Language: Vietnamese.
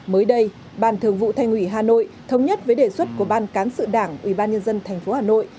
mới đây ban thường vụ thành ủy hà nội thống nhất với đề xuất của ban cán sự đảng ubnd tp hà nội